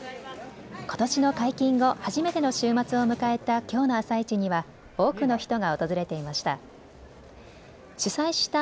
ことしの解禁後、初めての週末を迎えたきょうの朝市には多くの人が訪れていました。